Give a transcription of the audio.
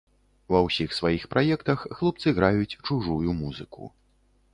Ва ўсіх сваіх праектах хлопцы граюць чужую музыку.